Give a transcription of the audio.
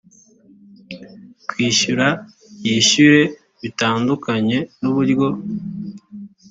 kwishyura yishyure bitandukanye n uburyo